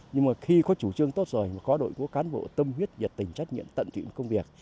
nhưng mà khi có chủ trương tốt rồi mà có đội ngũ cán bộ tâm huyết nhiệt tình trách nhiệm tận tụy một công việc